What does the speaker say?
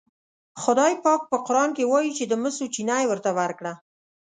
خدای پاک په قرآن کې وایي چې د مسو چینه یې ورته ورکړه.